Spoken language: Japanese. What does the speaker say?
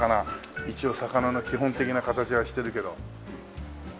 一応魚の基本的な形はしてるけど。